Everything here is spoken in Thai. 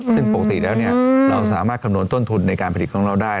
ซึ่งปกติแล้วเราสามารถคำนวณต้นทุนในการผลิตของเราได้